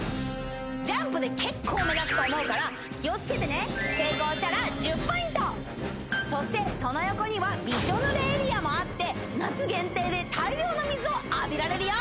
ジャンプで結構目立つと思うから気をつけてね成功したら１０ポイントそしてその横にはびしょ濡れエリアもあって夏限定で大量の水を浴びられるよ